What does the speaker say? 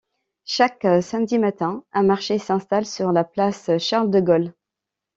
Chaque samedi matin, un marché s'installe sur la place Charles-de-Gaulle.